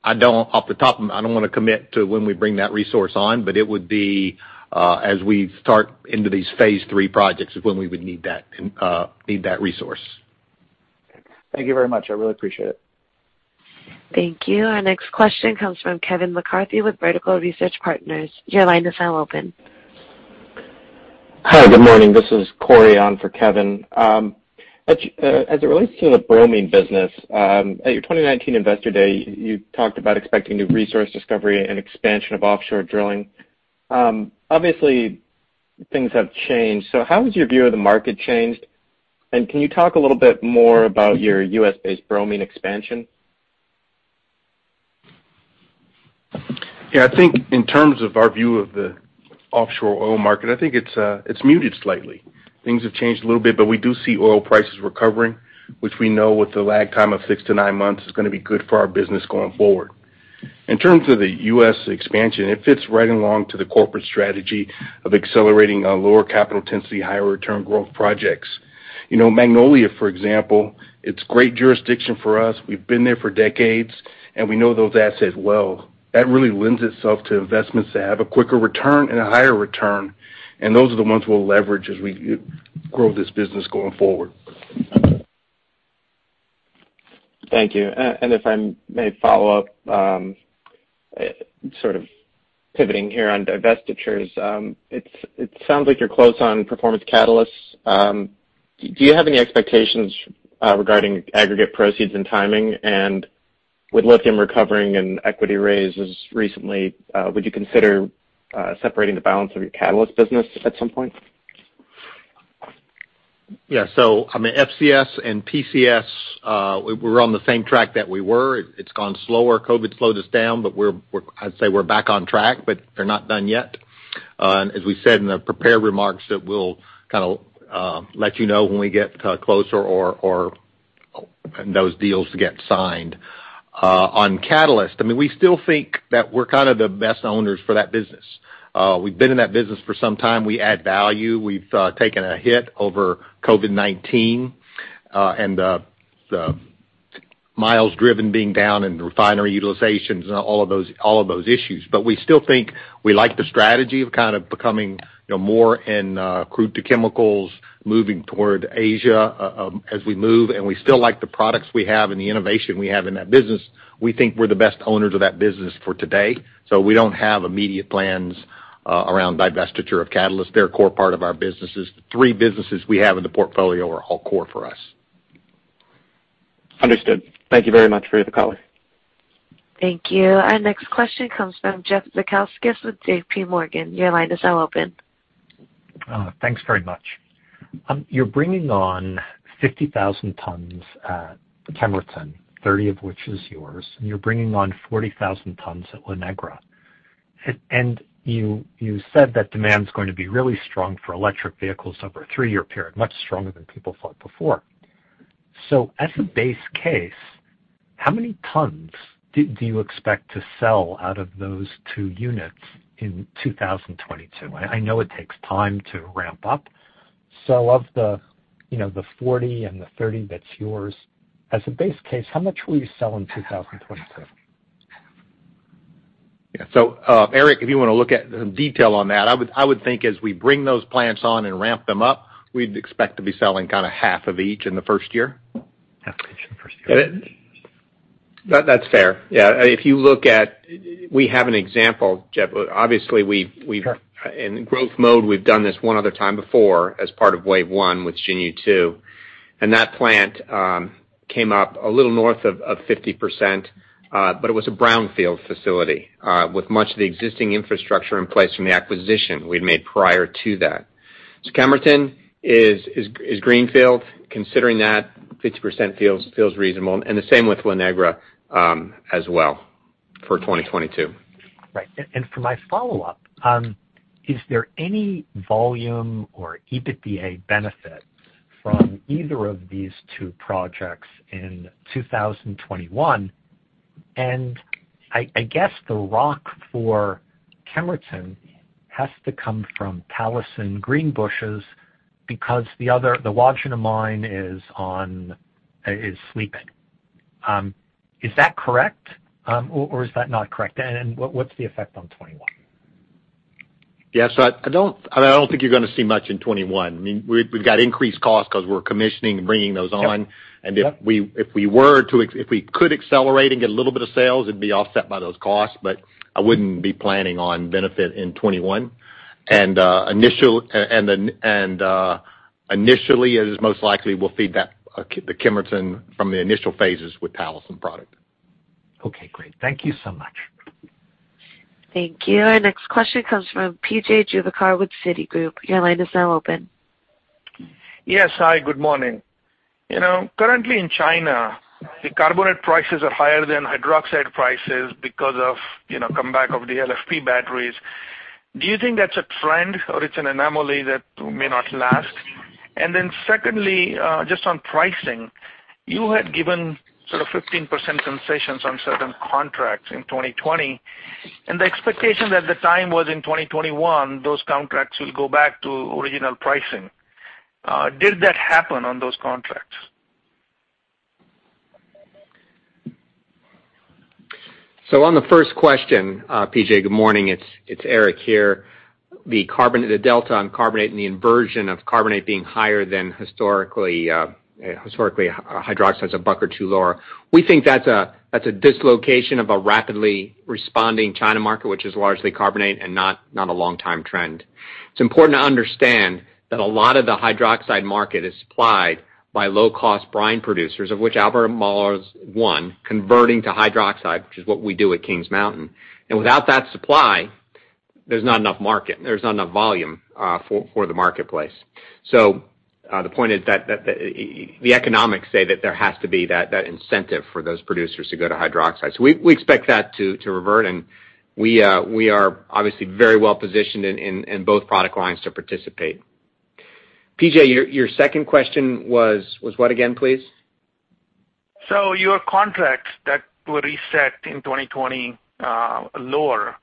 Off the top, I don't want to commit to when we bring that resource on. It would be as we start into these phase three projects is when we would need that resource. Thank you very much. I really appreciate it. Thank you. Our next question comes from Kevin McCarthy with. Your line is now open. Hi, good morning. This is Corey on for Kevin. As it relates to the bromine business, at your 2019 Investor Day, you talked about expecting new resource discovery and expansion of offshore drilling. Obviously, things have changed. How has your view of the market changed, and can you talk a little bit more about your U.S.-based bromine expansion? Yeah, I think in terms of our view of the offshore oil market, I think it's muted slightly. We do see oil prices recovering, which we know with the lag time of six to nine months is going to be good for our business going forward. In terms of the U.S. expansion, it fits right along to the corporate strategy of accelerating our lower capital intensity, higher return growth projects. Magnolia, for example, it's great jurisdiction for us. We've been there for decades, we know those assets well. That really lends itself to investments that have a quicker return and a higher return, those are the ones we'll leverage as we grow this business going forward. Thank you. If I may follow up, sort of pivoting here on divestitures. It sounds like you're close on Performance Catalysts. Do you have any expectations regarding aggregate proceeds and timing? With lithium recovering and equity raises recently, would you consider separating the balance of your catalyst business at some point? Yeah. FCS and PCS, we're on the same track that we were. It's gone slower. COVID slowed us down, but I'd say we're back on track, but they're not done yet. As we said in the prepared remarks that we'll kind of let you know when we get closer or those deals get signed. On Catalysts, we still think that we're kind of the best owners for that business. We've been in that business for some time. We add value. We've taken a hit over COVID-19. The miles driven being down and refinery utilizations and all of those issues. We still think we like the strategy of becoming more in crude to chemicals, moving toward Asia as we move, and we still like the products we have and the innovation we have in that business. We think we're the best owners of that business for today. We don't have immediate plans around divestiture of Catalysts. They're a core part of our businesses. The three businesses we have in the portfolio are all core for us. Understood. Thank you very much for your reply. Thank you. Our next question comes from Jeffrey Zekauskas with J.P. Morgan. Your line is now open. Thanks very much. You're bringing on 50,000 tons at Kemerton, 30 of which is yours, and you're bringing on 40,000 tons at La Negra. You said that demand's going to be really strong for electric vehicles over a three-year period, much stronger than people thought before. As a base case, how many tons do you expect to sell out of those two units in 2022? I know it takes time to ramp up. Of the 40 and the 30 that's yours, as a base case, how much will you sell in 2022? Yeah. Eric, if you want to look at some detail on that, I would think as we bring those plants on and ramp them up, we'd expect to be selling kind of half of each in the first year. Half each in the first year. That's fair. Yeah. If you look at, we have an example, Jeff. Sure In growth mode, we've done this one other time before as part of wave one with Xinyu II, and that plant came up a little north of 50%, but it was a brownfield facility with much of the existing infrastructure in place from the acquisition we'd made prior to that. Kemerton is greenfield. Considering that, 50% feels reasonable, and the same with La Negra as well for 2022. Right. For my follow-up, is there any volume or EBITDA benefit from either of these two projects in 2021? I guess the rock for Kemerton has to come from Talison Greenbushes because the other, the Wodgina mine is sleeping. Is that correct? Is that not correct? What's the effect on 2021? Yeah. I don't think you're going to see much in 2021. I mean, we've got increased costs because we're commissioning and bringing those on. Yeah. If we could accelerate and get a little bit of sales, it'd be offset by those costs, but I wouldn't be planning on benefit in 2021. Initially, it is most likely we'll feed the Kemerton from the initial phases with Talison product. Okay, great. Thank you so much. Thank you. Our next question comes from P.J. Juvekar with. Yes. Hi, good morning. Currently in China, the carbonate prices are higher than hydroxide prices because of comeback of the LFP batteries. Do you think that's a trend or it's an anomaly that may not last? Secondly, just on pricing, you had given sort of 15% concessions on certain contracts in 2020. The expectation at the time was in 2021, those contracts will go back to original pricing. Did that happen on those contracts? On the first question, P.J., good morning, it's Eric here. The delta on carbonate and the inversion of carbonate being higher than historically hydroxide's a buck or two lower. We think that's a dislocation of a rapidly responding China market, which is largely carbonate and not a long time trend. It's important to understand that a lot of the hydroxide market is supplied by low-cost brine producers, of which Albemarle is one, converting to hydroxide, which is what we do at Kings Mountain. Without that supply, there's not enough market, there's not enough volume for the marketplace. The point is that the economics say that there has to be that incentive for those producers to go to hydroxide. We expect that to revert, and we are obviously very well-positioned in both product lines to participate. P.J., your second question was what again, please? Your contracts that were reset in 2020 are lower,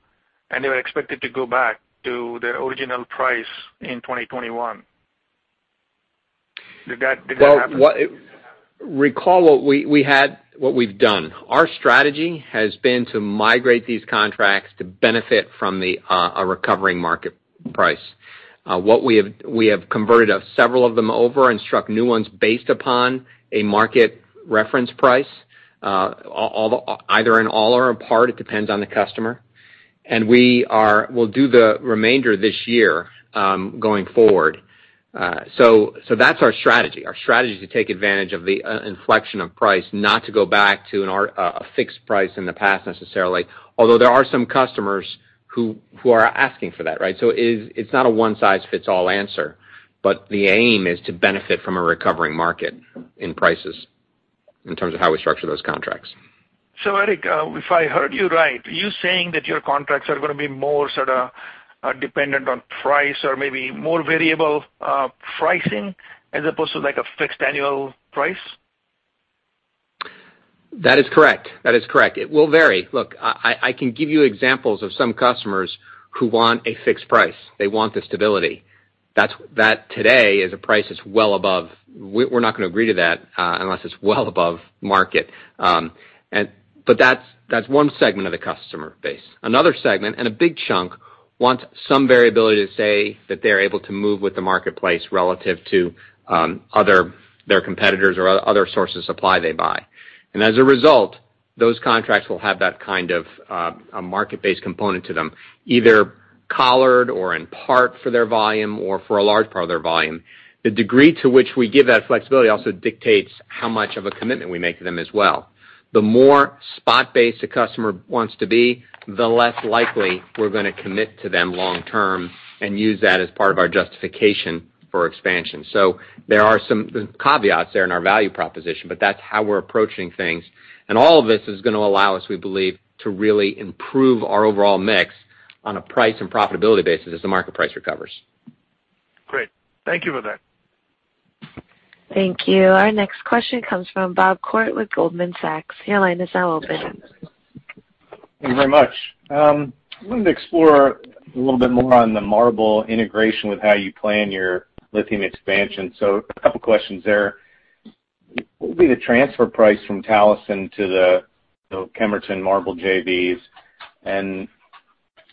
and they were expected to go back to their original price in 2021. Did that happen? Recall what we've done. Our strategy has been to migrate these contracts to benefit from a recovering market price. We have converted several of them over and struck new ones based upon a market reference price, either in all or in part, it depends on the customer. We'll do the remainder this year going forward. That's our strategy. Our strategy is to take advantage of the inflection of price, not to go back to a fixed price in the past necessarily, although there are some customers who are asking for that, right? It's not a one-size-fits-all answer, but the aim is to benefit from a recovering market in prices in terms of how we structure those contracts. Eric, if I heard you right, are you saying that your contracts are going to be more sort of dependent on price or maybe more variable pricing as opposed to like a fixed annual price? That is correct. It will vary. Look, I can give you examples of some customers who want a fixed price. They want the stability. We're not going to agree to that unless it's well above market. That's one segment of the customer base. Another segment, and a big chunk, wants some variability to say that they're able to move with the marketplace relative to their competitors or other sources of supply they buy. As a result, those contracts will have that kind of a market-based component to them, either collared or in part for their volume or for a large part of their volume. The degree to which we give that flexibility also dictates how much of a commitment we make to them as well. The more spot-based a customer wants to be, the less likely we're going to commit to them long term and use that as part of our justification for expansion. There are some caveats there in our value proposition, but that's how we're approaching things. All of this is going to allow us, we believe, to really improve our overall mix on a price and profitability basis as the market price recovers. Great. Thank you for that. Thank you. Our next question comes from Bob Koort with. Your line is now open. Thank you very much. I wanted to explore a little bit more on the MARBL integration with how you plan your lithium expansion. A couple of questions there. What would be the transfer price from Talison to the Kemerton MARBL JVs, and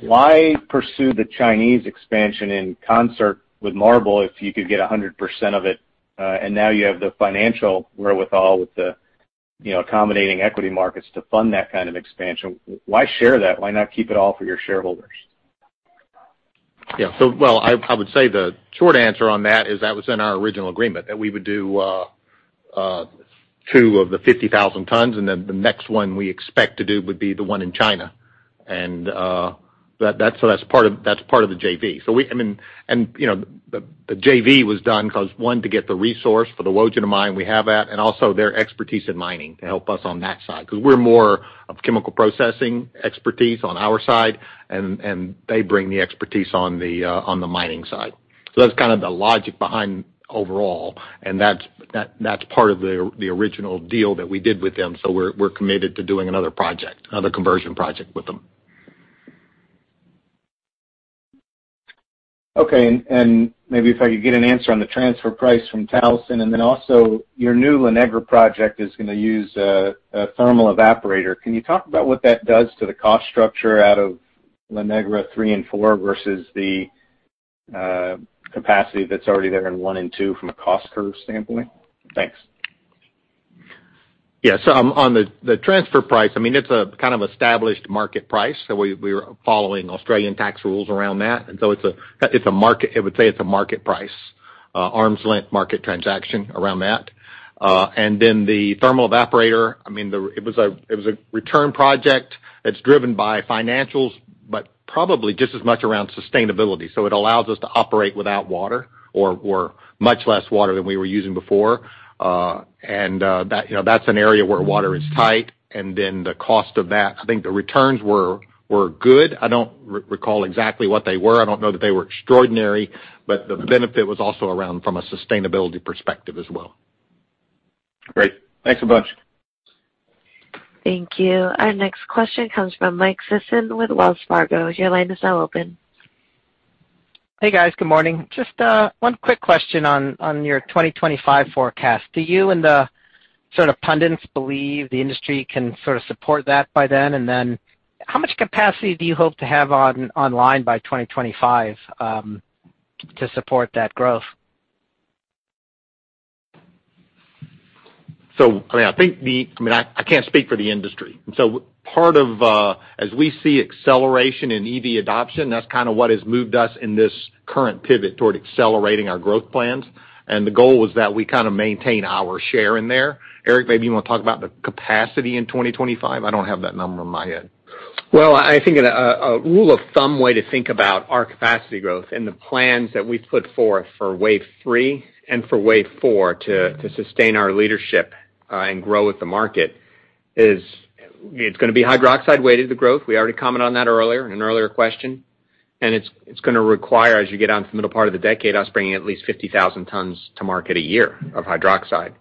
why pursue the Chinese expansion in concert with MARBL if you could get 100% of it, and now you have the financial wherewithal with the accommodating equity markets to fund that kind of expansion? Why share that? Why not keep it all for your shareholders? Yeah. I would say the short answer on that is that was in our original agreement that we would do two of the 50,000 tons, and then the next one we expect to do would be the one in China. That's part of the JV. The JV was done because, one, to get the resource for the Wodgina mine, we have that, and also their expertise in mining to help us on that side. Because we're more of chemical processing expertise on our side, and they bring the expertise on the mining side. That's kind of the logic behind overall, and that's part of the original deal that we did with them. We're committed to doing another project, another conversion project with them. Okay. Maybe if I could get an answer on the transfer price from Talison, also your new La Negra project is going to use a thermal evaporator. Can you talk about what that does to the cost structure out of La Negra three and four versus the capacity that's already there in one and two from a cost curve standpoint? Thanks. Yeah. On the transfer price, it's a kind of established market price. We are following Australian tax rules around that. I would say it's a market price, arm's length market transaction around that. The thermal evaporator, it was a return project that's driven by financials, but probably just as much around sustainability. It allows us to operate without water or much less water than we were using before. That's an area where water is tight. The cost of that, I think the returns were good. I don't recall exactly what they were. I don't know that they were extraordinary, but the benefit was also around from a sustainability perspective as well. Great. Thanks a bunch. Thank you. Our next question comes from Michael Sison with Wells Fargo. Your line is now open. Hey, guys. Good morning. Just one quick question on your 2025 forecast. Do you and the sort of pundits believe the industry can sort of support that by then? How much capacity do you hope to have online by 2025 to support that growth? I can't speak for the industry. Part of as we see acceleration in EV adoption, that's kind of what has moved us in this current pivot toward accelerating our growth plans. The goal was that we kind of maintain our share in there. Eric, maybe you want to talk about the capacity in 2025. I don't have that number in my head. Well, I think a rule of thumb way to think about our capacity growth and the plans that we've put forth for wave 3 and for wave 4 to sustain our leadership and grow with the market is it's going to be hydroxide weighted, the growth. We already commented on that earlier in an earlier question. It's going to require, as you get out into the middle part of the decade, us bringing at least 50,000 tons to market a year of hydroxide.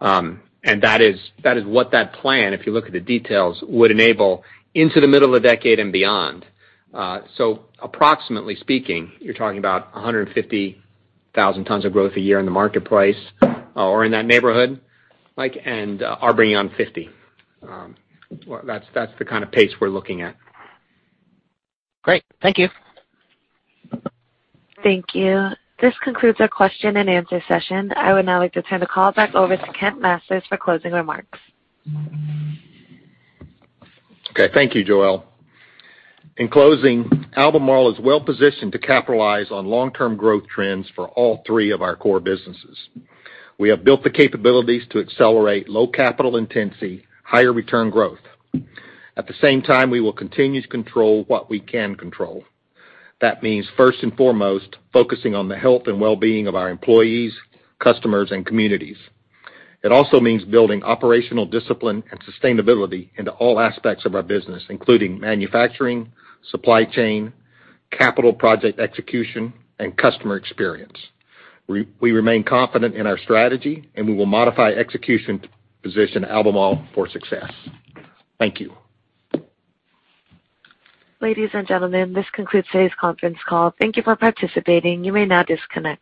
That is what that plan, if you look at the details, would enable into the middle of the decade and beyond. Approximately speaking, you're talking about 150,000 tons of growth a year in the market price or in that neighborhood, Mike, and our bringing on 50. That's the kind of pace we're looking at. Great. Thank you. Thank you. This concludes our question and answer session. I would now like to turn the call back over to Kent Masters for closing remarks. Okay. Thank you, Joelle. In closing, Albemarle is well-positioned to capitalize on long-term growth trends for all three of our core businesses. We have built the capabilities to accelerate low capital intensity, higher return growth. At the same time, we will continue to control what we can control. That means, first and foremost, focusing on the health and well-being of our employees, customers, and communities. It also means building operational discipline and sustainability into all aspects of our business, including manufacturing, supply chain, capital project execution, and customer experience. We remain confident in our strategy, and we will modify execution to position Albemarle for success. Thank you. Ladies and gentlemen, this concludes today's conference call. Thank you for participating. You may now disconnect.